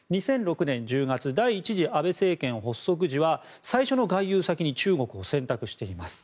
２００６年１０月第１次安倍政権発足時は最初の外遊先に中国を選択しています。